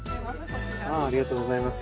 ありがとうございます。